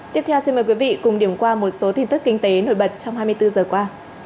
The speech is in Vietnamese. tiếp theo xin mời quý vị cùng điểm qua một số tin tức kinh tế nổi bật trong hai mươi bốn giờ qua